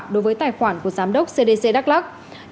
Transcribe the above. đối với tài khoản của giám đốc cdc đắk lắc